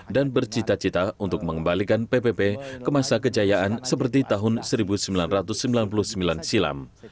dan bercita cita untuk mengembalikan ppp ke masa kejayaan seperti tahun seribu sembilan ratus sembilan puluh sembilan silam